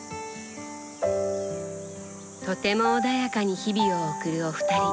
とても穏やかに日々を送るお二人。